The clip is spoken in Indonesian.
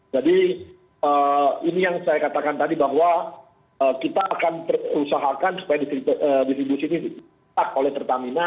jadi ini yang saya katakan tadi bahwa kita akan berusaha supaya distribusi ini ditetap oleh pertamina